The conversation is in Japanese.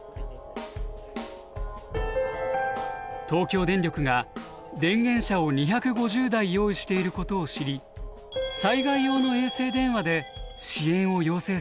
東京電力が電源車を２５０台用意していることを知り災害用の衛星電話で支援を要請することにしました。